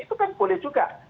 itu kan boleh juga